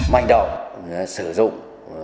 manh động sử dụng